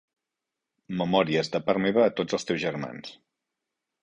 Memòries de part meva a tots els teus germans.